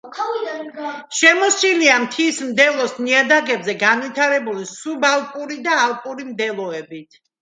შემოსილია მთის მდელოს ნიადაგებზე განვითარებული სუბალპური და ალპური მდელოებით.